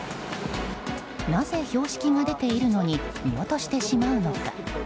なぜ標識が出ているのに見落としてしまうのか。